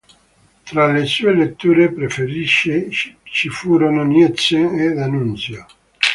Tra le sue letture preferite ci furono Nietzsche e D’Annunzio.